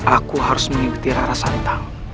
aku harus mengikuti rara santang